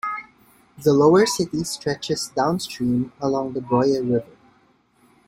The lower city stretches downstream along the Broye river.